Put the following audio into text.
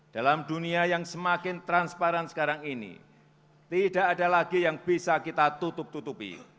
dalam dunia yang semakin transparan sekarang ini tidak ada lagi yang bisa kita tutup tutupi